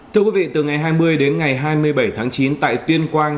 thưa quý vị từ ngày hai mươi đến ngày hai mươi bảy tháng chín tại tuyên quang